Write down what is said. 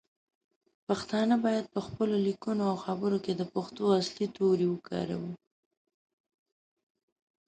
پښتانه باید پخپلو لیکنو او خبرو کې د پښتو اصلی تورې وکاروو.